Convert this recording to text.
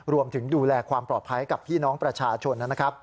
รวมถึงดูแลความปลอดภัยกับพี่น้องประชาชน